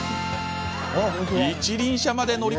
一輪車まで乗り